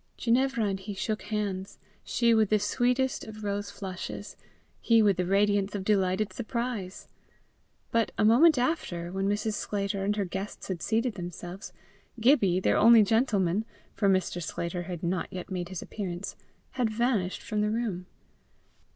Ginevra and he shook hands, she with the sweetest of rose flushes, he with the radiance of delighted surprise. But, a moment after, when Mrs. Sclater and her guests had seated themselves, Gibbie, their only gentleman, for Mr. Sclater had not yet made his appearance, had vanished from the room.